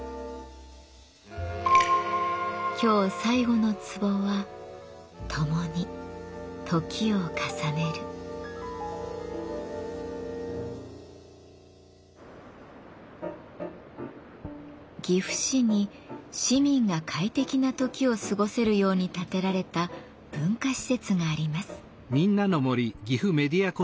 今日最後の壺は岐阜市に市民が快適な時を過ごせるように建てられた文化施設があります。